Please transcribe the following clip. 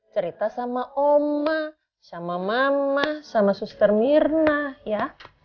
cerita sama oma sama mama sama suster mirna ya